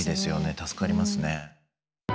助かりますね。